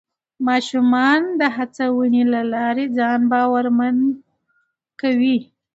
ماشومان د هڅونې له لارې ځان باورمن کوي